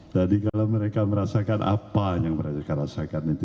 jadi kalau mereka merasakan apa yang mereka rasakan